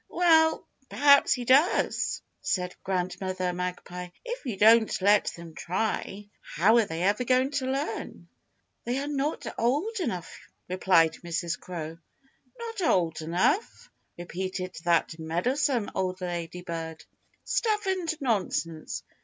"Well, perhaps he does!" said Grandmother Magpie. "If you don't let them try how are they ever going to learn?" "They are not old enough," replied Mrs. Crow. "Not old enough?" repeated that meddlesome old lady bird. "Stuff and nonsense!